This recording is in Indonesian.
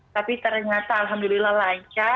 tapi ternyata alhamdulillah lancar